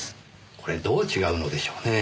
これどう違うのでしょうねぇ？